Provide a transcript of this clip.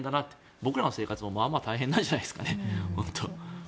僕らの生活も、まあまあ大変なんじゃないですかね。